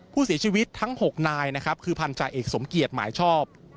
ผู้เสียชีวิตทั้ง๖นายนะครับคือพันธาเอกสมเกียจหมายชอบ